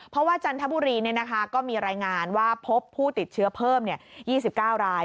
เพราะว่าจันทบุรีก็มีรายงานว่าพบผู้ติดเชื้อเพิ่ม๒๙ราย